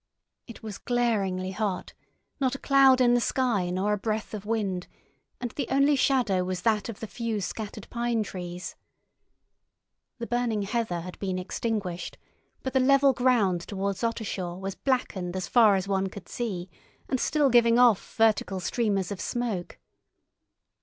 It was glaringly hot, not a cloud in the sky nor a breath of wind, and the only shadow was that of the few scattered pine trees. The burning heather had been extinguished, but the level ground towards Ottershaw was blackened as far as one could see, and still giving off vertical streamers of smoke.